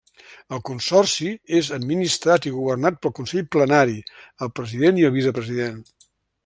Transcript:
El Consorci és administrat i governat pel Consell Plenari, el President i el Vicepresident.